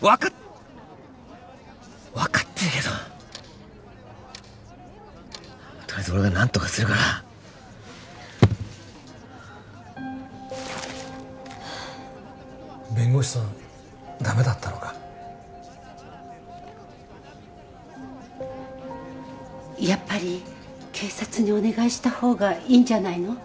分かっ分かってるけどとりあえず俺が何とかするからはあ弁護士さんダメだったのかやっぱり警察にお願いした方がいいんじゃないの？